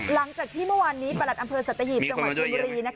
หลังจากที่เมื่อวานนี้ประหลัดอำเภอสัตหีบจังหวัดชนบุรี